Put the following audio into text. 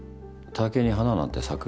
竹に花なんて咲く？